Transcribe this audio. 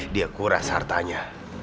dia kuras hartanya